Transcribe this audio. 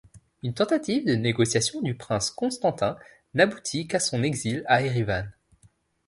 Une tentative de négociation du prince Constantin n'aboutit qu'à son exil à Erivan.